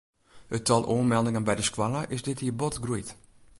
It tal oanmeldingen by de skoalle is dit jier bot groeid.